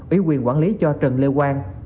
ủy quyền quản lý cho trần lê quang